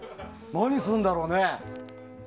何するんだろうね？